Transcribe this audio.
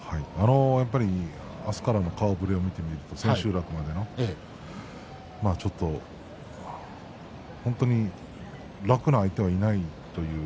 明日からの顔ぶれを見てみますと千秋楽までの本当に楽な相手はいないという。